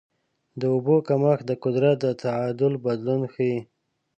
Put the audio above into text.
د اوبو کمښت د قدرت د تعادل بدلون ښيي.